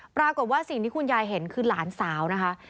ปรากฏว่าสิ่งที่คุณยายเห็นคือหลานสาวนะคะ